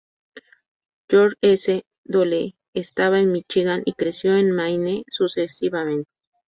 George S. Dole estaba en Michigan y creció en Maine sucesivamente.